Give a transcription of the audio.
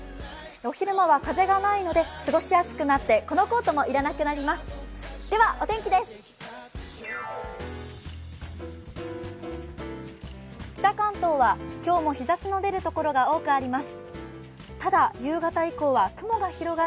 お昼間は風がないので過ごしやすくなってこのコートも要らなくなります。